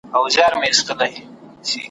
غلیم د خاوري او د وطن دی ,